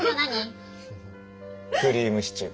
クリームシチュー！